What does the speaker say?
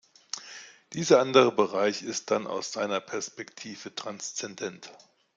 Dieser andere Bereich ist dann aus seiner Perspektive transzendent.